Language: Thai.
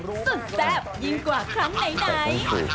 สุดแซ่บยิ่งกว่าครั้งไหน